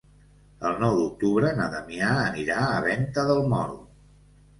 El nou d'octubre na Damià anirà a Venta del Moro.